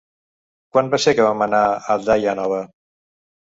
Quan va ser que vam anar a Daia Nova?